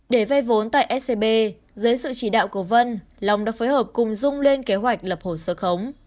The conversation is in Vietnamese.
để vay vốn tại scb dưới sự chỉ đạo của vân long đã phối hợp cùng dung lên kế hoạch lập hồ sơ khống